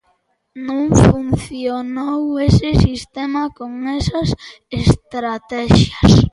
Non funcionou ese sistema con esas estratexias.